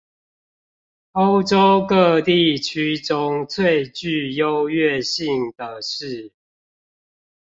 歐洲各地區中最具優越性的是